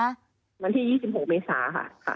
วันที่๒๖เมษาค่ะ